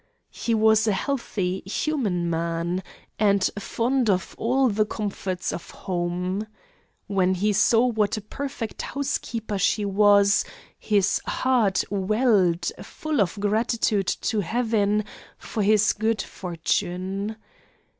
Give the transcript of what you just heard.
He was a healthy, human man, and fond of all the comforts of home. When he saw what a perfect housekeeper she was, his heart welled full of gratitude to heaven for his good fortune.